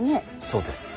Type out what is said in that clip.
そうです。